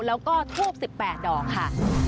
แล้วก็ทูปสิบแปดดอกค่ะ